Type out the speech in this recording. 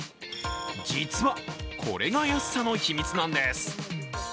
実は、これが安さの秘密なんです。